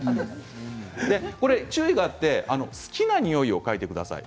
注意があって、好きな匂いを嗅いでください。